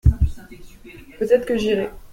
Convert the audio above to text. Peut-être que j’irai.